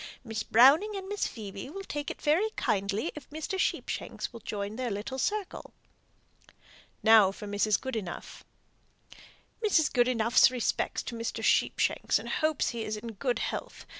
Miss Browning and Miss Phoebe will take it very kindly if Mr. Sheepshanks will join their little circle." Now for Mrs. Goodenough. "Mrs. Goodenough's respects to Mr. Sheepshanks, and hopes he is in good health.